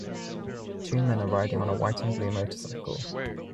Two men are riding on a white and blue motorcycle.